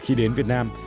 khi đến việt nam